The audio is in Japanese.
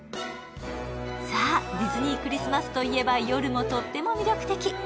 さぁ、ディズニー・クリスマスといえば夜もとっても魅力的。